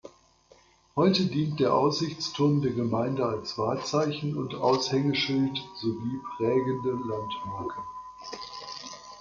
Heute dient der Aussichtsturm der Gemeinde als Wahrzeichen und Aushängeschild sowie prägende Landmarke.